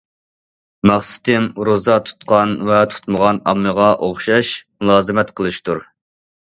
مەقسىتىم، روزا تۇتقان ۋە تۇتمىغان ئاممىغا ئوخشاش مۇلازىمەت قىلىشتۇر.